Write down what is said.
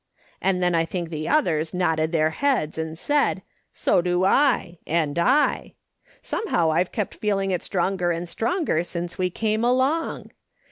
And then I think the others nodded their heads, and said : So do I, and I. Somehow I've kept feeling it stronger and stronger since vt^e come along.